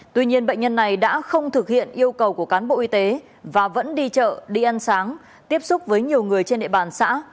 tuy nhiên bệnh nhân này đã không thực hiện yêu cầu của cán bộ y tế và vẫn đi chợ đi ăn sáng tiếp xúc với nhiều người trên địa bàn xã